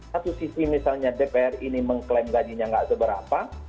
satu sisi misalnya dpr ini mengklaim gajinya nggak seberapa